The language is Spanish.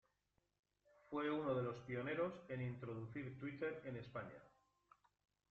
Fue uno de los pioneros en introducir twitter en España.